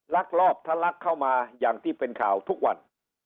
ลักลอบทะลักเข้ามาอย่างที่เป็นข่าวทุกวัน